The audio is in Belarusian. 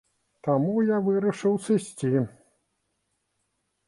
Таму я вырашыў сысці.